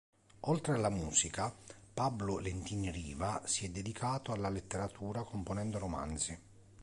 Oltre alla musica, Pablo Lentini Riva si è dedicato alla letteratura componendo romanzi.